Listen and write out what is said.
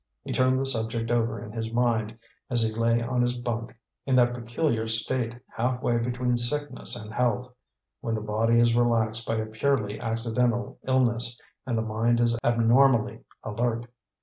He turned the subject over in his mind as he lay on his bunk in that peculiar state half way between sickness and health, when the body is relaxed by a purely accidental illness and the mind is abnormally alert.